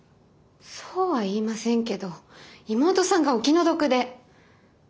そうは言いませんけど妹さんがお気の毒で。